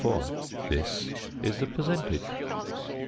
This is the percentage.